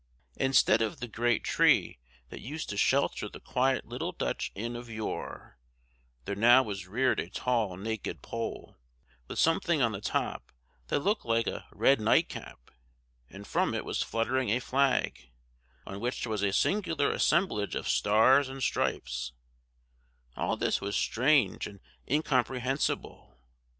Instead of the great tree that used to shelter the quiet little Dutch inn of yore, there now was reared a tall naked pole, with something on the top that looked like a red nightcap, and from it was fluttering a flag, on which was a singular assemblage of stars and stripes all this was strange and incomprehensible.